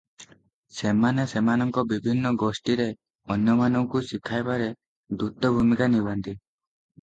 ସେମାନେ ସେମାନଙ୍କ ବିଭିନ୍ନ ଗୋଷ୍ଠୀରେ ଅନ୍ୟମାନଙ୍କୁ ଶିଖାଇବାରେ ଦୂତ ଭୂମିକା ନିଭାନ୍ତି ।